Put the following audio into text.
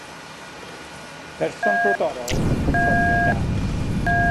Person brodorol yn perfformio dawns.